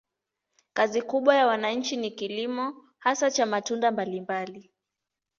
Kazi kubwa ya wananchi ni kilimo, hasa cha matunda mbalimbali.